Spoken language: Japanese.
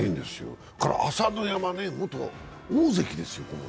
朝乃山ね、元大関ですよ。